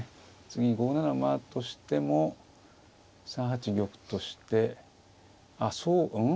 次に５七馬としても３八玉としてあっそううん？